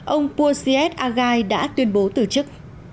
ông pozied agai đã tuyên bố từ chức